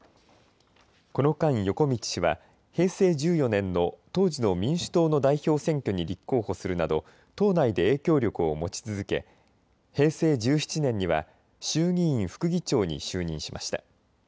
この間、横路氏は平成１４年の当時の民主党の代表選挙に立候補するなど党内で影響力を持ち続け、平成１７年には衆議院副議長に就任しました。